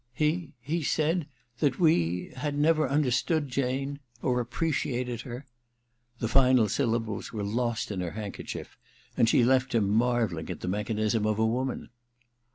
^He ... he said ... that we ... had never understood Jane ... or appreciated her ...' The final syllables "were lost in her handkerchief, and she left him marvelling at the mechanism of woman.